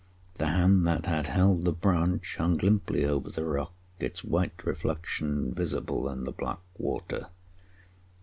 The hand that had held the branch hung limply over the rock, its white reflection visible in the black water.